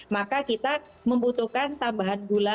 maka kita membutuhkan tambahan gula